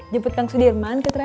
jebet kang sudirman ke travel